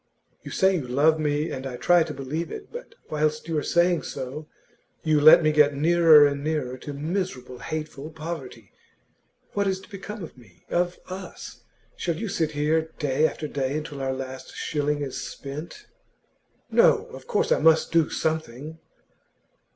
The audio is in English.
You say you love me, and I try to believe it. But whilst you are saying so, you let me get nearer and nearer to miserable, hateful poverty. What is to become of me of us? Shall you sit here day after day until our last shilling is spent?' 'No; of course I must do something.